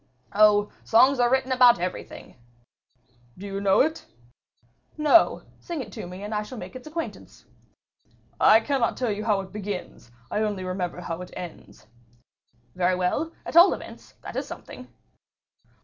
"Oh! songs are written about everything." "Do you know it?" "No: sing it to me and I shall make its acquaintance." "I cannot tell you how it begins; I only remember how it ends." "Very well, at all events, that is something."